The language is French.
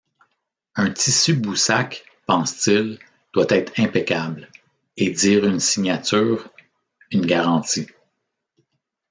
Un tissu Boussac, pense-t-il, doit être impeccable, et dire une signature, une garantie.